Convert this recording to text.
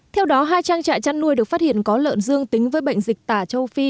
theo đó hai trang trại chăn nuôi được phát hiện có lợn dương tính với bệnh dịch tả châu phi